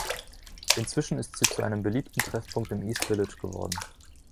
Inzwischen ist sie zu einem beliebten Treffpunkt im East Village geworden.